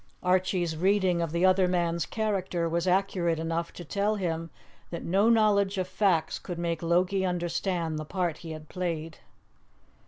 Archie's reading of the other man's character was accurate enough to tell him that no knowledge of facts could make Logie understand the part he had played.